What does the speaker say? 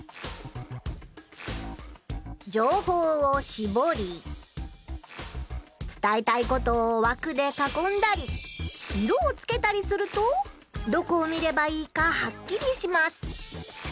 じょうほうをしぼりつたえたいことをわくでかこんだり色をつけたりするとどこを見ればいいかはっきりします。